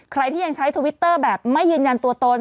ใครที่ยังใช้ทวิตเตอร์แบบไม่ยืนยันตัวตน